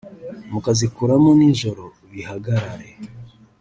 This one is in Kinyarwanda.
mukazikuramo ninjoro bihagarare